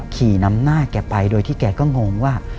ขี่นำหน้าแกไปโดยที่แกก็งงว่า